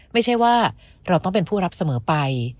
ไม่ใช่ว่าเราต้องเป็นผู้รับเสมอไป